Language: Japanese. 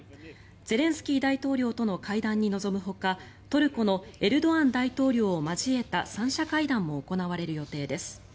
ゼレンスキー大統領との会談に臨むほかトルコのエルドアン大統領を交えた３者会談も行われる予定です。